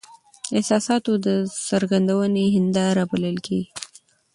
د احساساتو د څرګندوني هنداره بلل کیږي .